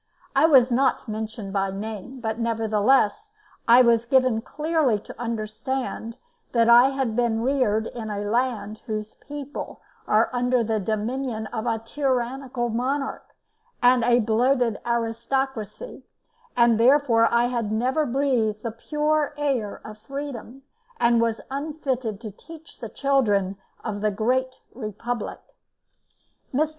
I was not mentioned by name, but nevertheless I was given clearly to understand that I had been reared in a land whose people are under the dominion of a tyrannical monarch and a bloated aristocracy; that therefore I had never breathed the pure air of freedom, and was unfitted to teach the children of the Great Republic. Mr.